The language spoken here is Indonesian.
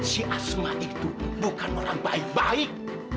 si asma itu bukan orang baik baik